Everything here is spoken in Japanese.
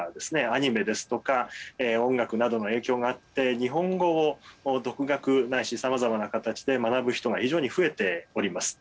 アニメですとか音楽などの影響があって日本語を独学ないしさまざまな形で学ぶ人が非常に増えております。